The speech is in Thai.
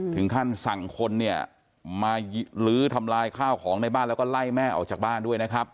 ถึงขั้นสั่งคนเนี่ยมาลื้อทำลายข้าวของในบ้านแล้วก็ไล่แม่ออกจากบ้านด้วยนะครับ